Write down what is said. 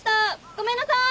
ごめんなさい！